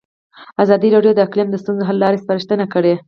ازادي راډیو د اقلیم د ستونزو حل لارې سپارښتنې کړي.